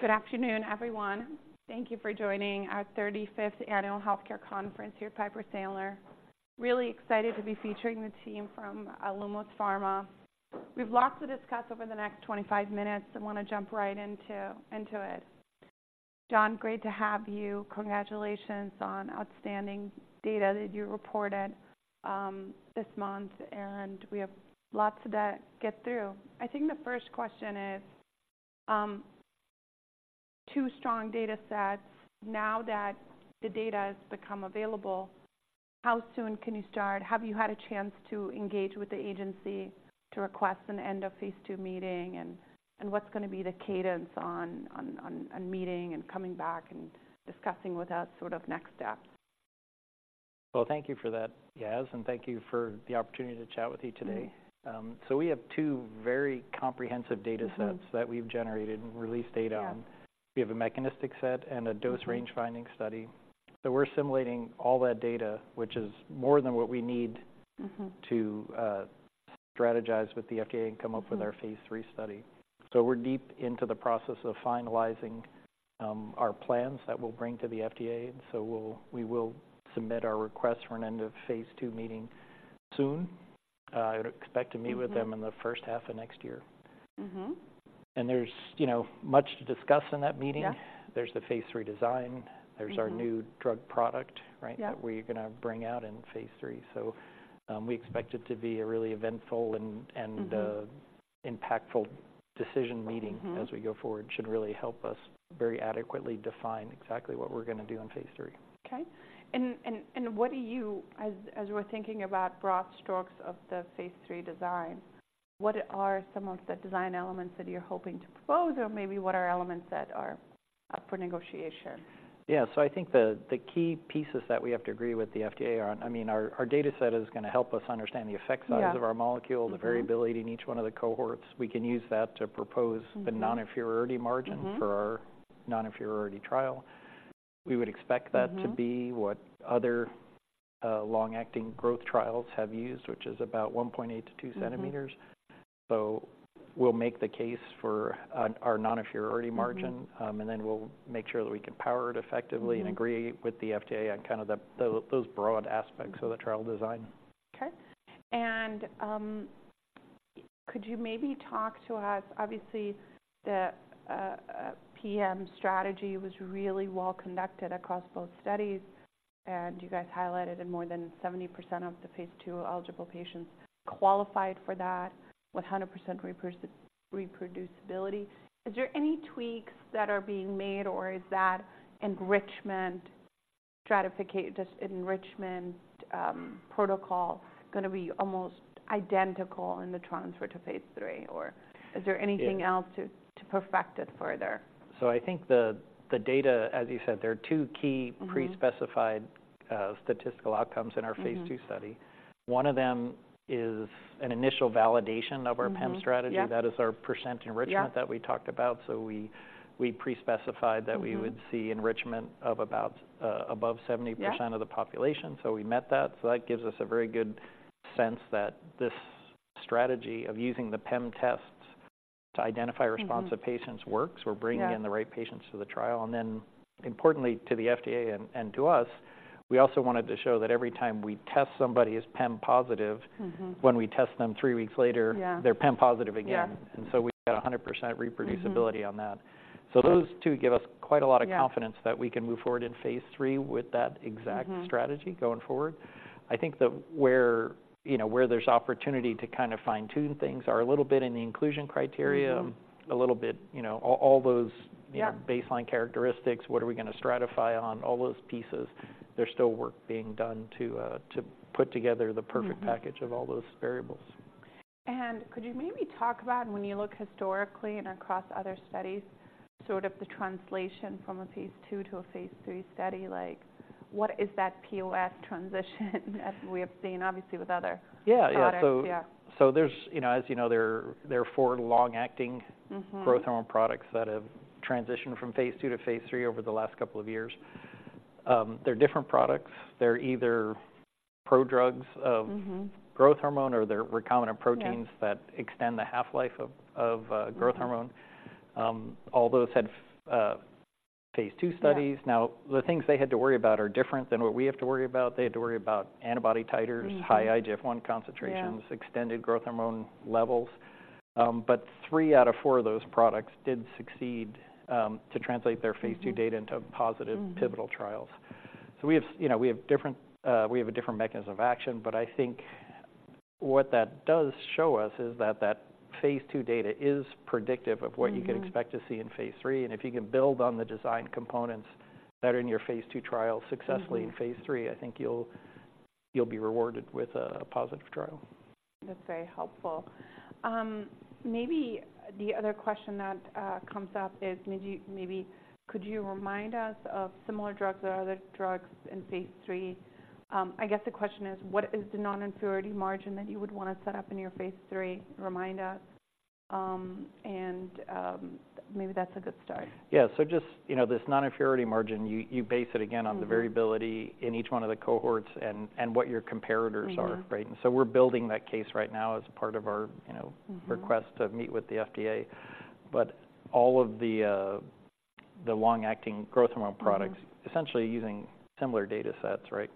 Good afternoon, everyone. Thank you for joining our 35th Annual Healthcare Conference here at Piper Sandler. Really excited to be featuring the team from Lumos Pharma. We've lots to discuss over the next 25 minutes and wanna jump right into it. John, great to have you. Congratulations on outstanding data that you reported this month, and we have lots to get through. I think the first question is two strong data sets. Now that the data has become available, how soon can you start? Have you had a chance to engage with the agency to request an End of phase II Meeting, and what's gonna be the cadence on a meeting and coming back and discussing with us sort of next steps? Well, thank you for that, Yas, and thank you for the opportunity to chat with you today. Mm-hmm. So we have two very comprehensive data sets- Mm-hmm that we've generated and released data on. Yeah. We have a mechanistic set and a Mm-hmm dose range-finding study. So we're assimilating all that data, which is more than what we need Mm-hmm to strategize with the FDA and come up Mm-hmm with our phase III study. So we're deep into the process of finalizing our plans that we'll bring to the FDA. And so we will submit our request for an end of phase II meeting soon. I would expect to meet Mm-hmm with them in the first half of next year. Mm-hmm. There's, you know, much to discuss in that meeting. Yeah. There's the phase III design. Mm-hmm. There's our new drug product, right Yeah that we're gonna bring out in phase III. So, we expect it to be a really eventful and Mm-hmm impactful decision meeting Mm-hmm as we go forward. Should really help us very adequately define exactly what we're gonna do in phase III. Okay. And what do you. As we're thinking about broad strokes of the phase III design, what are some of the design elements that you're hoping to propose, or maybe what are elements that are up for negotiation? Yeah. So I think the key pieces that we have to agree with the FDA on, I mean, our data set is gonna help us understand the effect size Yeah of our molecule Mm-hmm the variability in each one of the cohorts. We can use that to propose Mm-hmm the non-inferiority margin Mm-hmm for our non-inferiority trial. We would expect that Mm-hmm to be what other, long-acting growth trials have used, which is about 1.8 to 2 cm. Mm-hmm. So we'll make the case for our non-inferiority margin Mm-hmm and then we'll make sure that we can power it effectively Mm-hmm and agree with the FDA on kind of those broad aspects Mm-hmm of the trial design. Okay. And could you maybe talk to us. Obviously, the PEM strategy was really well conducted across both studies, and you guys highlighted more than 70% of the phase II eligible patients qualified for that, 100% reproducibility. Is there any tweaks that are being made, or is that enrichment, this enrichment protocol gonna be almost identical in the transfer to phase III, or is there anything else Yeah to perfect it further? So I think the data, as you said, there are two key Mm-hmm pre-specified, statistical outcomes in our Mm-hmm phase II study. One of them is an initial validation of our Mm-hmm PEM strategy. Yeah. That is our percent enrichment Yeah that we talked about. So we pre-specified that Mm-hmm we would see enrichment of about, above 70% Yeah of the population, so we met that. So that gives us a very good sense that this strategy of using the PEM tests to identify Mm-hmm responsive patients works. Yeah. We're bringing in the right patients to the trial. Then, importantly, to the FDA and to us, we also wanted to show that every time we test somebody as PEM positive Mm-hmm when we test them three weeks later Yeah they're PEM positive again. Yeah. And so we've got 100% reproducibility- Mm-hmm on that. So those two give us quite a lot of confidence Yeah that we can move forward in phase III with that exact Mm-hmm strategy going forward. I think that where, you know, where there's opportunity to kind of fine-tune things are a little bit in the inclusion criteria Mm-hmm a little bit, you know, all those Yeah baseline characteristics, what are we gonna stratify on? All those pieces, there's still work being done to, to put together the perfect Mm-hmm package of all those variables. Could you maybe talk about when you look historically and across other studies, sort of the translation from a phase II to a phase III study? Like, what is that POS transition, as we have seen obviously with other- Yeah, yeah products? Yeah. So there's, you know, as you know, there are four long-acting Mm-hmm growth hormone products that have transitioned from phase II to phase III over the last couple of years. They're different products. They're either prodrugs of Mm-hmm growth hormone, or they're recombinant proteins Yeah that extend the half-life of Mm-hmm growth hormone. All those had phase II studies. Yeah. Now, the things they had to worry about are different than what we have to worry about. They had to worry about antibody titers Mm-hmm high IGF-1 concentrations Yeah extended growth hormone levels. But three out of four of those products did succeed to translate their phase II Mm-hmm data into positive Mm-hmm pivotal trials. So we have, you know, we have a different mechanism of action, but I think what that does show us is that that phase II data is predictive of what Mm-hmm you can expect to see in phase III. If you can build on the design components that are in your phase II trial successfully Mm-hmm in phase III, I think you'll be rewarded with a positive trial. That's very helpful. Maybe the other question that comes up is, maybe could you remind us of similar drugs or other drugs in phase III? I guess the question is: What is the non-inferiority margin that you would want to set up in your phase III? Remind us. Maybe that's a good start. Yeah, so just, you know, this non-inferiority margin, you base it again on Mm-hmm the variability in each one of the cohorts and what your comparators are Mm-hmm right? And so we're building that case right now as part of our, you know Mm-hmm request to meet with the FDA. But all of the, the long-acting growth hormone products Mm-hmm. essentially using similar data sets, right?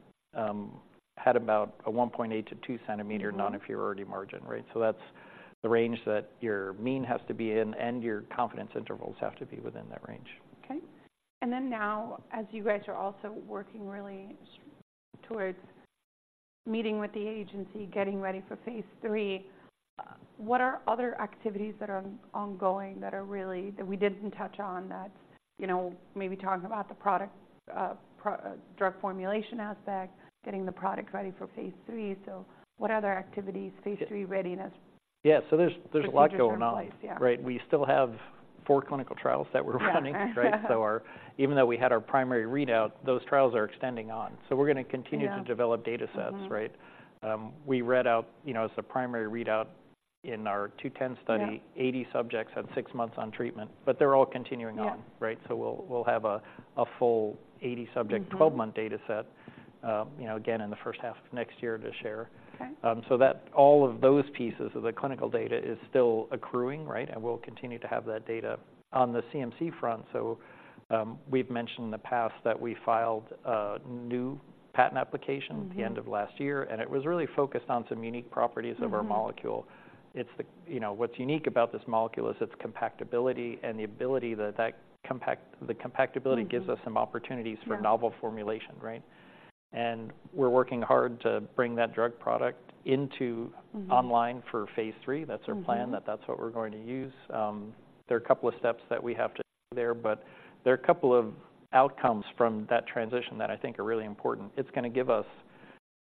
Had about a 1.8 to 2 cm Mm-hmm. Non-Inferiority Margin, right? So that's the range that your mean has to be in, and your confidence intervals have to be within that range. Okay. And then now, as you guys are also working really towards meeting with the agency, getting ready for phase III, what are other activities that are ongoing that are really, that we didn't touch on that, you know, maybe talking about the product, drug formulation aspect, getting the product ready for phase III. So what other activities, phase III readiness? Yeah. So there's a lot going on. Yeah. Right. We still have four clinical trials that we're running. Yeah. Right. So even though we had our primary readout, those trials are extending on, so we're gonna continue Yeah to develop data sets. Mm-hmm. Right? We read out, you know, as a primary readout in our 210 study Yeah 80 subjects had six months on treatment, but they're all continuing on. Yeah. Right? So we'll have a full 80 subjects Mm-hmm 12-month data set, you know, again, in the first half of next year to share. Okay. So that all of those pieces of the clinical data is still accruing, right? We'll continue to have that data. On the CMC front, we've mentioned in the past that we filed a new patent application. Mm-hmm at the end of last year, and it was really focused on some unique properties Mm-hmm of our molecule. It's the, you know, what's unique about this molecule is its compactability and the ability that the compactability Mm-hmm gives us some opportunities Yeah for novel formulation, right? And we're working hard to bring that drug product into Mm-hmm online for phase III. Mm-hmm. That's our plan, that that's what we're going to use. There are a couple of steps that we have to there, but there are a couple of outcomes from that transition that I think are really important. It's gonna give us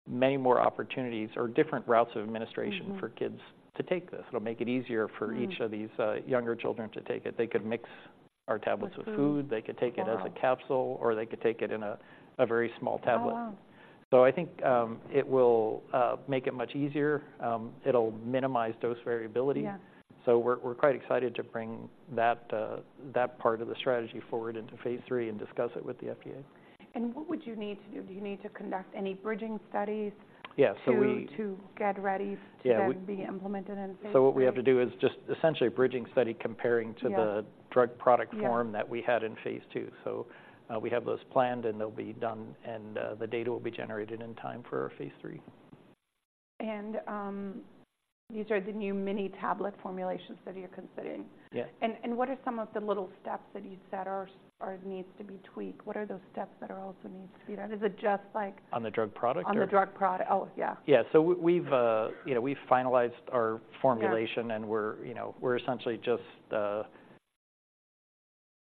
many more opportunities or different routes of administration Mm-hmm for kids to take this. It'll make it easier Mm for each of these younger children to take it. They could mix our tablets With food with food. They could take it Wow as a capsule, or they could take it in a very small tablet. Oh, wow! So I think it will make it much easier. It'll minimize dose variability. Yeah. We're quite excited to bring that, that part of the strategy forward into phase III and discuss it with the FDA. What would you need to do? Do you need to conduct any bridging studies Yeah. So we to get ready. Yeah, we to then be implemented in phase III? What we have to do is just essentially a bridging study comparing to the Yeah drug product form Yeah that we had in phase II. So, we have those planned, and they'll be done, and the data will be generated in time for our phase III. These are the new mini tablet formulations that you're considering? Yeah. What are some of the little steps that you said are, or needs to be tweaked? What are those steps that are also needs to be done? Is it just like On the drug product or? On the drug product. Oh, yeah. Yeah. So we, we've, you know, we've finalized our formulation Yeah and we're, you know, we're essentially just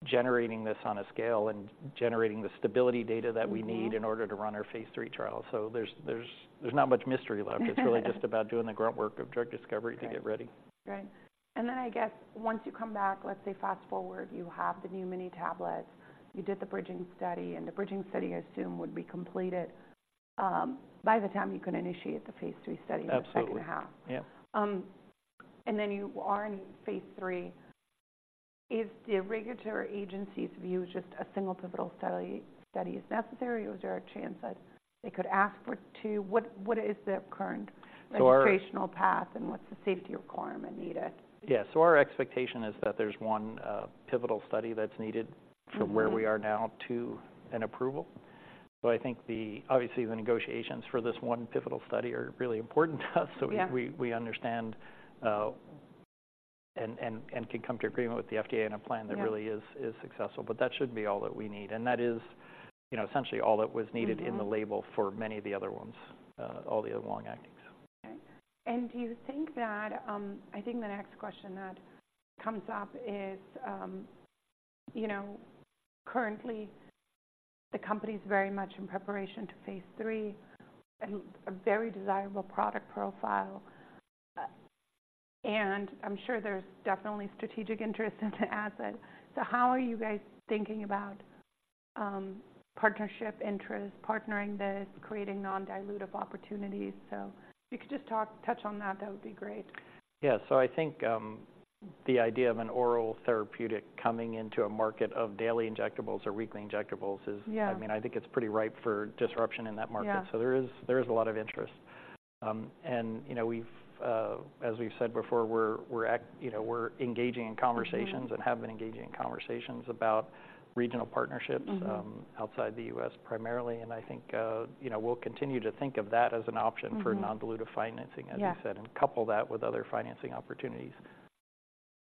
generating this on a scale and generating the stability data that we need Mm-hmm in order to run our phase III trial. So there's not much mystery left. It's really just about doing the grunt work of drug discovery Right to get ready. Right. And then I guess once you come back, let's say fast-forward, you have the new mini tablet, you did the bridging study, and the bridging study, I assume, would be completed by the time you can initiate the phase III study Absolutely in the second half. Yeah. Then you are in phase III. Is the regulatory agency's view just a single pivotal study is necessary, or is there a chance that they could ask for two? What is the current So our regulatory path, and what's the safety requirement needed? Yeah. So our expectation is that there's one, pivotal study that's needed Mm-hmm from where we are now to an approval. So I think the. Obviously, the negotiations for this one pivotal study are really important to us. Yeah. We understand and can come to agreement with the FDA on a plan Yeah that really is successful. But that should be all that we need, and that is, you know, essentially all that was needed Mm-hmm in the label for many of the other ones, all the other long-acting, so. Okay. And do you think that, I think the next question that comes up is, you know, currently, the company is very much in preparation to phase three and a very desirable product profile. And I'm sure there's definitely strategic interest in the asset. So how are you guys thinking about, partnership interest, partnering this, creating non-dilutive opportunities? So if you could just talk, touch on that, that would be great. Yeah. So I think, the idea of an oral therapeutic coming into a market of daily injectables or weekly injectables is Yeah I mean, I think it's pretty ripe for disruption in that market. Yeah. So there is a lot of interest. You know, we've, as we've said before, you know, we're engaging in conversations. Mm-hmm and have been engaging in conversations about regional partnerships Mm-hmm outside the U.S. primarily. I think, you know, we'll continue to think of that as an option for Mm-hmm non-dilutive financing, as you said Yeah and couple that with other financing opportunities.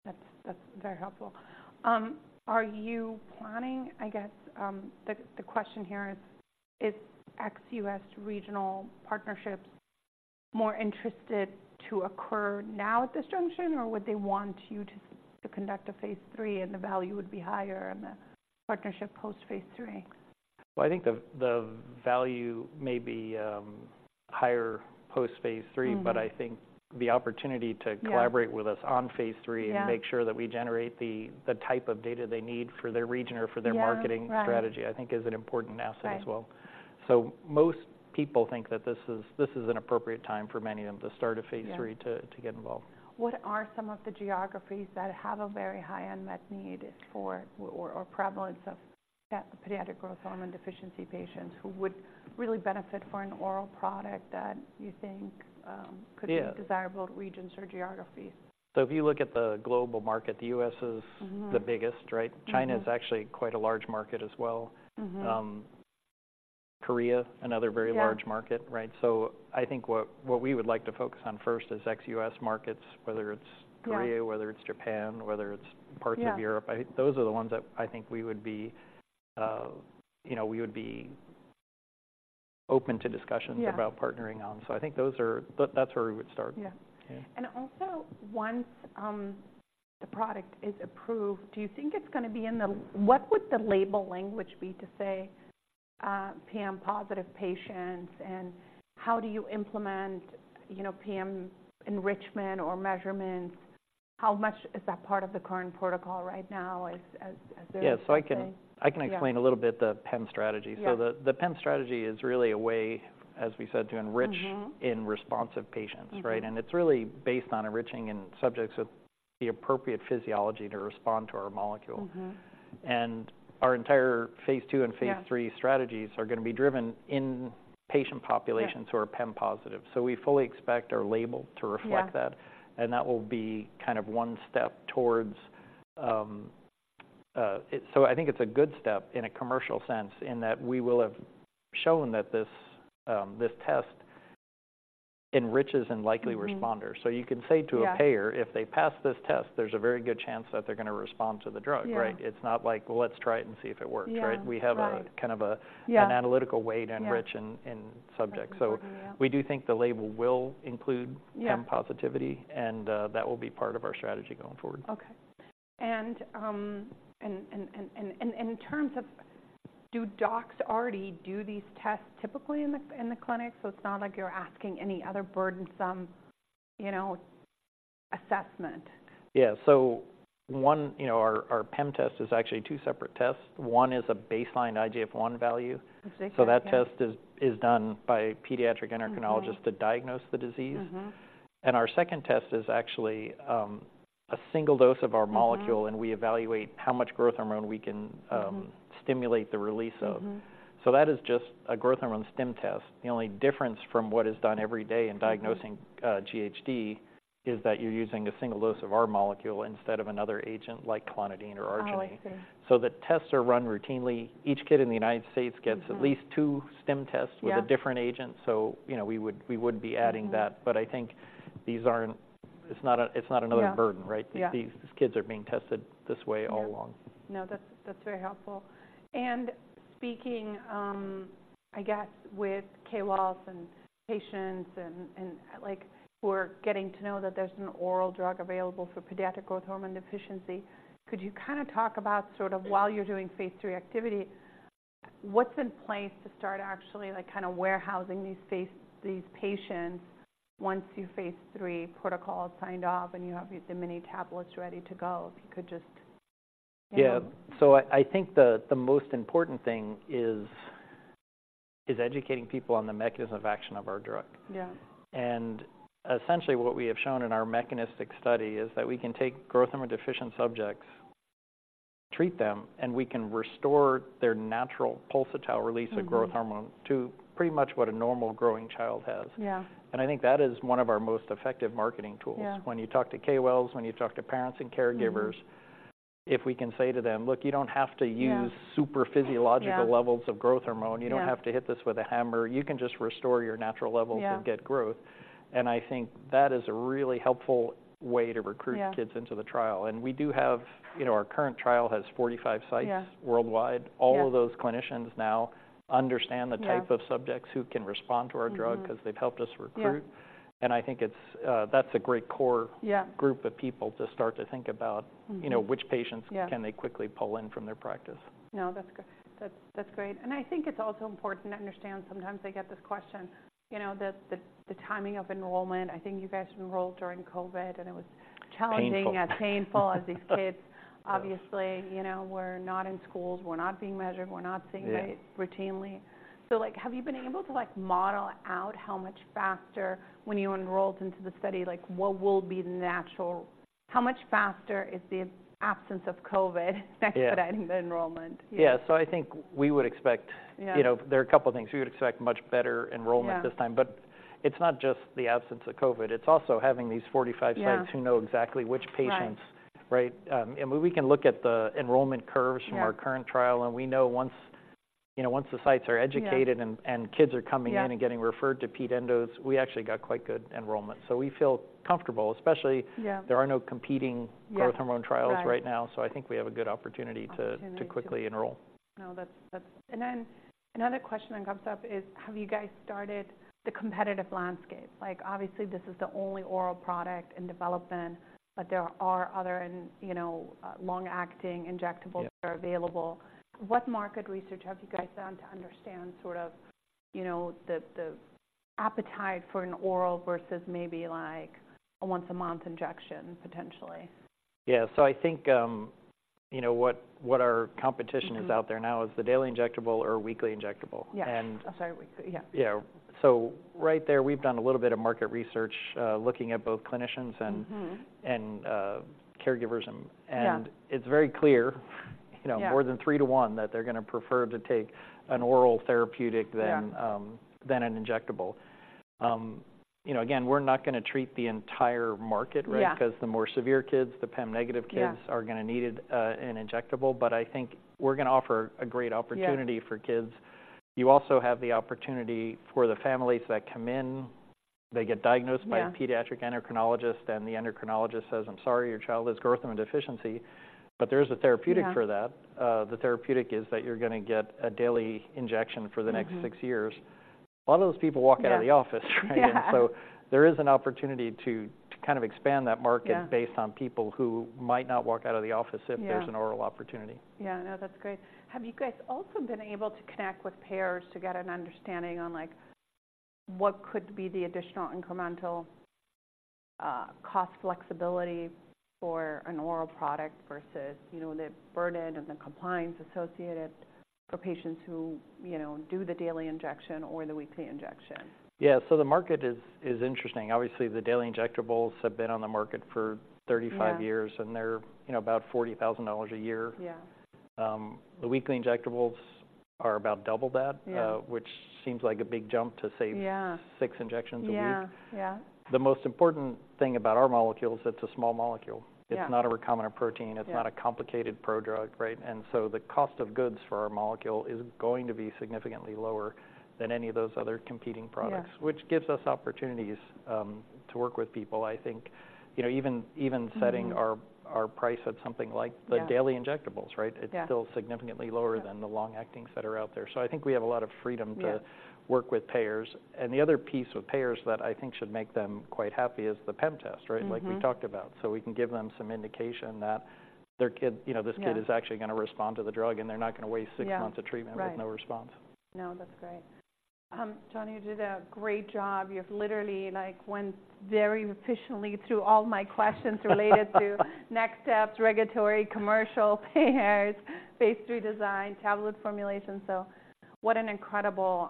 That's, that's very helpful. Are you planning, I guess, the question here is, is ex-U.S. regional partnerships more interested to occur now at this juncture, or would they want you to, to conduct a phase III and the value would be higher and the partnership post phase III? Well, I think the value may be higher post phase III- Mm-hmm but I think the opportunity to Yeah collaborate with us on phase III Yeah and make sure that we generate the type of data they need for their region or for their marketing Yeah strategy, I think, is an important asset as well. Right. So most people think that this is an appropriate time for many of them to start a phase III Yeah to get involved. What are some of the geographies that have a very high unmet need for, or prevalence of? Yeah, pediatric growth hormone deficiency patients who would really benefit for an oral product that you think, Yeah Could be desirable regions or geographies? If you look at the global market, the U.S. is Mm-hmm the biggest, right? Mm-hmm. China is actually quite a large market as well. Mm-hmm. Korea, another very Yeah large market, right? So I think what we would like to focus on first is ex-U.S. markets, whether it's Korea Right whether it's Japan, whether it's parts of Europe. Yeah. I think those are the ones that I think we would be, you know, we would be open to discussions Yeah about partnering on. So I think those are, that's where we would start. Yeah. Yeah. And also, once the product is approved, do you think it's gonna be in the, what would the label language be to say, PEM-positive patients, and how do you implement, you know, PEM enrichment or measurements? How much is that part of the current protocol right now? Yeah, so I can Yeah I can explain a little bit the PEM strategy. Yeah. So the PEM strategy is really a way, as we said, to enrich Mm-hmm in responsive patients. Mm-hmm. Right? It's really based on enriching in subjects with the appropriate physiology to respond to our molecule. Mm-hmm. Our entire phase II and Yeah phase III strategies are gonna be driven in patient populations Yeah who are PEM positive. So we fully expect our label to reflect that. Yeah. And that will be kind of one step towards. So I think it's a good step in a commercial sense in that we will have shown that this test enriches and likely Mm-hmm responders. So you can say to a payer Yeah if they pass this test, there's a very good chance that they're gonna respond to the drug, right? Yeah. It's not like, "Well, let's try it and see if it works," right? Yeah, right. We have kind of a Yeah an analytical way to enrich in Yeah in subjects. Yeah. We do think the label will include Yeah PEM positivity, and that will be part of our strategy going forward. Okay. And in terms of, do docs already do these tests typically in the clinic? So it's not like you're asking any other burdensome, you know, assessment. Yeah. So one, you know, our PEM test is actually two separate tests. One is a baseline IGF-1 value. Okay, yeah. So that test is done by pediatric endocrinologists Mm-hmm to diagnose the disease. Mm-hmm. Our second test is actually, a single dose of our molecule Mm-hmm and we evaluate how much growth hormone we can, Mm-hmm stimulate the release of. Mm-hmm. That is just a growth hormone stim test. The only difference from what is done every day in diagnosin Mm-hmm GHD, is that you're using a single dose of our molecule instead of another agent like clonidine or arginine. Oh, I see. So the tests are run routinely. Each kid in the United States gets- Mm-hmm at least two stim tests Yeah with a different agent, so, you know, we would, we would be adding that. Mm-hmm. I think these aren't. It's not another. Yeah burden, right? Yeah. These kids are being tested this way all along. Yeah. No, that's, that's very helpful. And speaking, I guess, with KOLs and patients and, and, like, who are getting to know that there's an oral drug available for pediatric growth hormone deficiency, could you kind of talk about sort of, while you're doing phase III activity, what's in place to start actually, like, kind of warehousing these patients once your phase III protocol is signed off and you have the mini tablets ready to go? If you could just Yeah. So I think the most important thing is educating people on the mechanism of action of our drug. Yeah. Essentially, what we have shown in our mechanistic study is that we can take growth hormone deficient subjects, treat them, and we can restore their natural pulsatile release Mm-hmm of growth hormone to pretty much what a normal growing child has. Yeah. I think that is one of our most effective marketing tools. Yeah. When you talk to KOLs, when you talk to parents and caregivers Mm-hmm if we can say to them, "Look, you don't have to use Yeah supraphysiological levels of growth hormone- Yeah you don't have to hit this with a hammer. You can just restore your natural levels Yeah “and get growth,” and I think that is a really helpful way to recruit. Yeah kids into the trial. And we do have.. You know, our current trial has 45 sites Yeah worldwide. Yeah. All of those clinicians now understand the type Yeah of subjects who can respond to our drug Mm-hmm because they've helped us recruit. Yeah. I think it's, that's a great core Yeah group of people to start to think about Mm-hmm you know, which patients Yeah Can they quickly pull in from their practice? No, that's good. That's great, and I think it's also important to understand, sometimes I get this question, you know, the timing of enrollment. I think you guys enrolled during COVID, and it was challenging Painful. painful as these kids, obviously, you know, were not in schools, were not being measured, were not seen Yeah routinely. So, like, have you been able to, like, model out how much faster when you enrolled into the study, like, what will be the natural. How much faster is the absence of COVID Yeah Expediting the enrollment? Yeah. Yeah, so I think we would expect Yeah You know, there are a couple things. We would expect much better enrollment this time. Yeah. But it's not just the absence of COVID, it's also having these 45 sites Yeah who know exactly which patients. Right. Right? We can look at the enrollment curves Yeah from our current trial, and we know once, you know, once the sites are educated Yeah and kids are coming in Yeah and getting referred to ped endos, we actually got quite good enrollment. So we feel comfortable, especially Yeah there are no competing Yeah growth hormone trials Right right now, so I think we have a good opportunity to Opportunity to quickly enroll. No, that's. And then another question that comes up is: Have you guys started the competitive landscape? Like, obviously, this is the only oral product in development, but there are other in, you know, long-acting injectables Yeah that are available. What market research have you guys done to understand sort of, you know, the appetite for an oral versus maybe, like, a once-a-month injection, potentially? Yeah, so I think, you know, what our competition Mm-hmm is out there now is the daily injectable or weekly injectable. Yeah. And I'm sorry, weekly. Yeah. Yeah. So right there, we've done a little bit of market research, looking at both clinicians and Mm-hmm and, caregivers and Yeah it's very clear, you know, more than three-to-one, that they're gonna prefer to take an oral therapeutic than Yeah than an injectable. You know, again, we're not gonna treat the entire market, right? Yeah. 'Cause the more severe kids, the PEM-negative kids Yeah are gonna need, an injectable, but I think we're gonna offer a great opportunity Yeah for kids. You also have the opportunity for the families that come in, they get diagnosed by Yeah A pediatric endocrinologist, and the endocrinologist says, "I'm sorry, your child has growth hormone deficiency, but there is a therapeutic for that. Yeah. The therapeutic is that you're gonna get a daily injection for the next Mm-hmm Six years." A lot of those people walk out of the office, right? Yeah. There is an opportunity to kind of expand that market Yeah based on people who might not walk out of the office Yeah If there's an oral opportunity. Yeah. No, that's great. Have you guys also been able to connect with payers to get an understanding on, like, what could be the additional incremental cost flexibility for an oral product versus, you know, the burden and the compliance associated for patients who, you know, do the daily injection or the weekly injection? Yeah. So the market is interesting. Obviously, the daily injectables have been on the market for 35 years Yeah and they're, you know, about $40,000 a year. Yeah. The weekly injectables are about double that Yeah which seems like a big jump to save Yeah Six injections a week. Yeah. Yeah. The most important thing about our molecule is it's a small molecule. Yeah. It's not a recombinant protein. Yeah. It's not a complicated prodrug, right? And so the cost of goods for our molecule is going to be significantly lower than any of those other competing products Yeah which gives us opportunities, to work with people. I think, you know, even, even setting Mm-hmm our price at something like Yeah the daily injectables, right? Yeah. It's still significantly lower Yeah than the long-acting that are out there. So I think we have a lot of freedom to Yeah work with payers. And the other piece with payers that I think should make them quite happy is the PEM test, right? Mm-hmm. Like we talked about. So we can give them some indication that their kid, you know Yeah this kid is actually gonna respond to the drug, and they're not gonna waste six months. Yeah of treatment Right with no response. No, that's great. John, you did a great job. You've literally, like, went very efficiently through all my questions related to next steps, regulatory, commercial, payers, phase III design, tablet formulation. So what an incredible,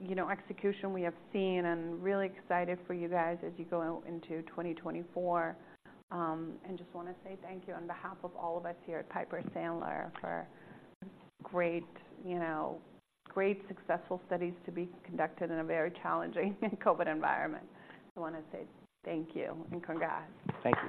you know, execution we have seen and really excited for you guys as you go out into 2024. And just wanna say thank you on behalf of all of us here at Piper Sandler for great, you know, great successful studies to be conducted in a very challenging COVID environment. I wanna say thank you and congrats. Thank you.